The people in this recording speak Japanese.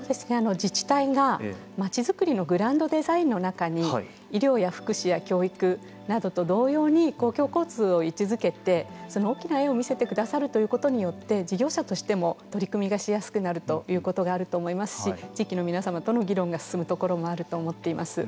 自治体が町づくりのグランドデザインの中に医療や福祉や教育などと同様に公共交通を位置づけてその大きな絵を見せてくださるということによって事業者としても取り組みがしやすくなるということがあると思いますし地域の皆さまとの議論が進むところもあると思っています。